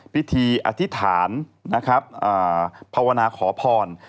อธิษฐานนะครับภาวนาขอพร